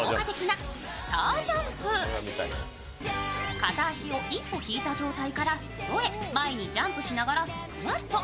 片足を一歩引いた状態からそろえて、前にジャンプしながらスクワット。